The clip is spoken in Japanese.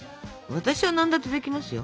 私は何だってできますよ。